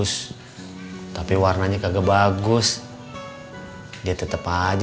sampai us memap bakun